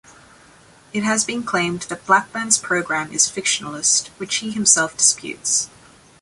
It has been claimed that Blackburn's programme is fictionalist, which he himself disputes.